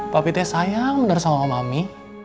papi teh sayang bener sama mami